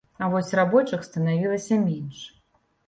А вось рабочых станавілася менш.